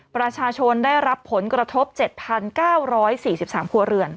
ประชาชนได้รับผลกระทบ๗๙๔๓ครัวเรือน